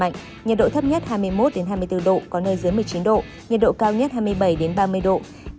nhiệt độ thấp nhất hai mươi một hai mươi bốn độ có nơi dưới một mươi chín độ nhiệt độ cao nhất hai mươi bảy ba mươi độ